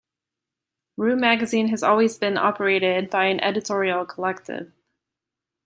"Room" magazine has always been operated by an editorial collective.